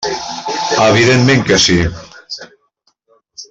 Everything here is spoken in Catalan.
Evidentment que sí.